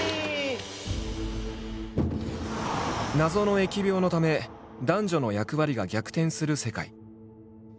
謎の疫病のため男女の役割が逆転する世界。